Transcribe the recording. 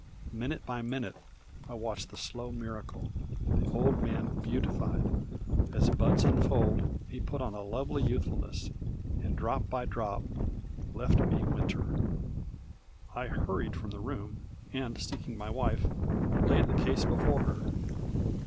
Minute by minute I watched the slow miracle the old man beautified. As buds unfold, he put on a lovely youthfulness; and, drop by drop, left me winter. I hurried from the room, and seeking my wife, laid the case before her.